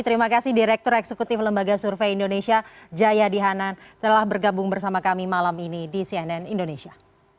terima kasih direktur eksekutif lembaga survei indonesia jaya dihanan telah bergabung bersama kami malam ini di cnn indonesia